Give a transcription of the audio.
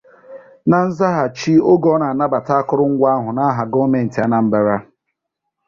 Na nzaghachi oge ọ na-anabàta akụrụngwa ahụ n'aha gọọmentị Anambra